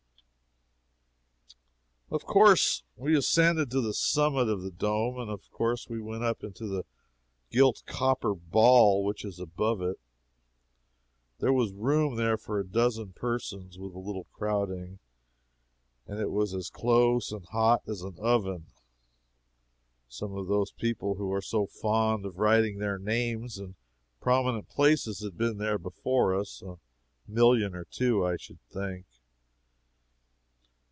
Of course we ascended to the summit of the dome, and of course we also went up into the gilt copper ball which is above it. There was room there for a dozen persons, with a little crowding, and it was as close and hot as an oven. Some of those people who are so fond of writing their names in prominent places had been there before us a million or two, I should think.